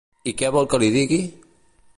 I què vol que li digui?